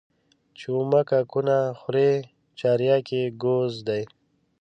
چي اومه کاکونه خوري چارياک يې گوز دى.